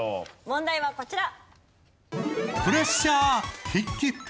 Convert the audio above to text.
問題はこちら。